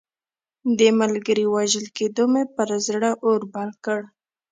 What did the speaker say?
د ملګري وژل کېدو مې پر زړه اور رابل کړ.